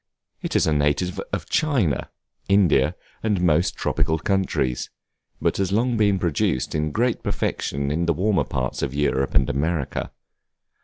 It is a native of China, India, and most tropical countries; but has long been produced in great perfection in the warmer parts of Europe and America.